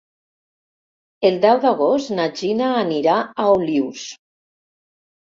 El deu d'agost na Gina anirà a Olius.